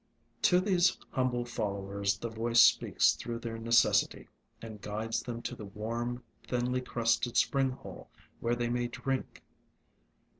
To these humble followers the voice speaks through their necessity, and guides them to the warm, thinly crusted spring hole where they may drink.